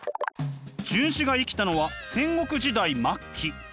荀子が生きたのは戦国時代末期。